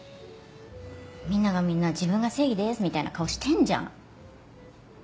みんながみんな自分が正義ですみたいな顔してんじゃん。